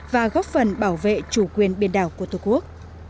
và góp phần bảo vệ chủ quyền biển đảo của tổ quốc